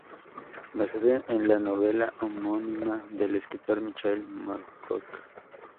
Basada en la novela homónima del escritor Michael Moorcock.